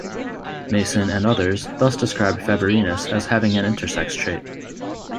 Mason and others thus describe Favorinus as having an intersex trait.